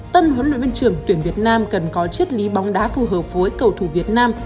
tân huấn luyện viên trưởng tuyển việt nam cần có chất lý bóng đá phù hợp với cầu thủ việt nam